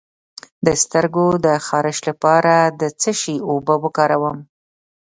د سترګو د خارښ لپاره د څه شي اوبه وکاروم؟